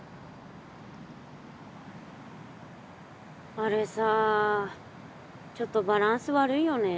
あれさちょっとバランス悪いよね。